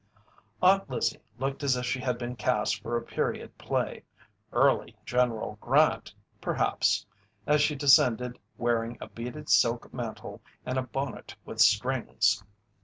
"Aunt Lizzie" looked as if she had been cast for a period play early General Grant, perhaps as she descended wearing a beaded silk mantle and a bonnet with strings.